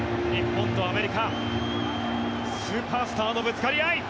日本とアメリカスーパースターのぶつかり合い。